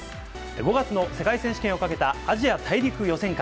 ５月の世界選手権をかけたアジア大陸予選会。